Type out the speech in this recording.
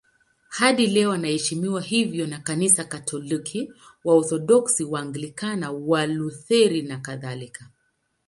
Hadi leo anaheshimiwa hivyo na Kanisa Katoliki, Waorthodoksi, Waanglikana, Walutheri nakadhalika.